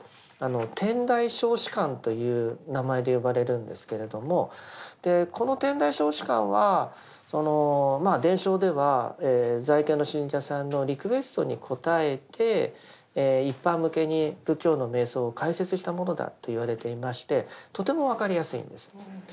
「天台小止観」という名前で呼ばれるんですけれどもこの「天台小止観」は伝承では在家の信者さんのリクエストに応えて一般向けに仏教の瞑想を解説したものだと言われていましてとても分かりやすいんです。